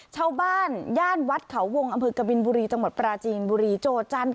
ชาวบ้านย่านวัดเขาวงอำเภอกบินบุรีจังหวัดปราจีนบุรีโจจันทร์